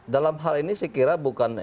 dalam hal ini saya kira bukan